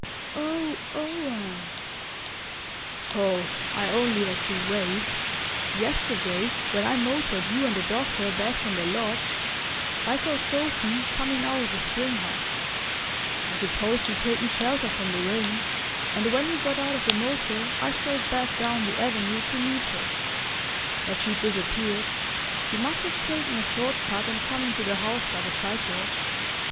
"Oh, Owen!" "Oh, I only had to wait. Yesterday, when I motored you and the doctor back from the lodge, I saw Sophy coming out of the spring house. I supposed she'd taken shelter from the rain, and when you got out of the motor I strolled back down the avenue to meet her. But she'd disappeared she must have taken a short cut and come into the house by the side door.